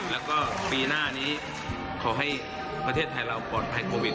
แล้วก็ปีหน้านี้ขอให้ประเทศไทยเราปลอดภัยโควิด